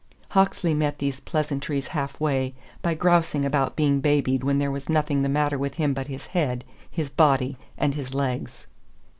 Hawksley met these pleasantries halfway by grousing about being babied when there was nothing the matter with him but his head, his body, and his legs.